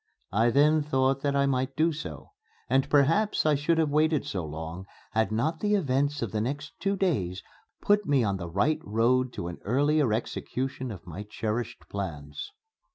I then thought that I might do so. And perhaps I should have waited so long, had not the events of the next two days put me on the right road to an earlier execution of my cherished plans.